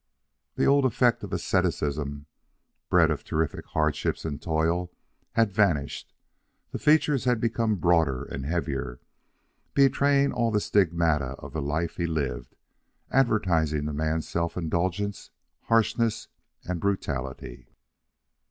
The old effect of asceticism, bred of terrific hardships and toil, had vanished; the features had become broader and heavier, betraying all the stigmata of the life he lived, advertising the man's self indulgence, harshness, and brutality.